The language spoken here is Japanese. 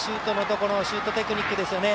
シュートテクニックですよね。